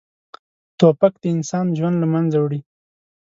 توپک د انسان ژوند له منځه وړي.